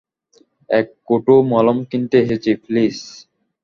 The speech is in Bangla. এক কৌটো মলম কিনতে এসেছি, প্লিজ।